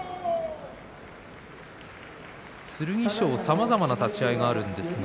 剣翔は、さまざまな立ち合いがあるんですが